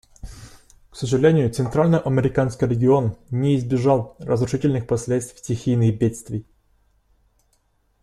К сожалению, центральноамериканский регион не избежал разрушительных последствий стихийных бедствий.